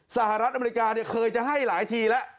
สหรัฐอเมริกาเนี่ยเคยจะให้หลายทีแล้ว